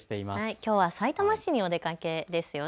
きょうはさいたま市にお出かけですよね。